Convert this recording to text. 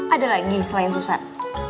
ada lagi selain susat